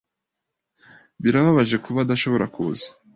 Birababaje kuba adashobora kuza.